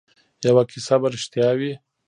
یوه کیسه به ریښتیا وي.